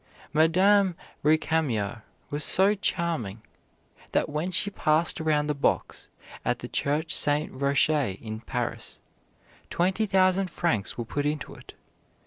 Madame Récamier was so charming that when she passed around the box at the Church St. Roche in Paris, twenty thousand francs were put into it.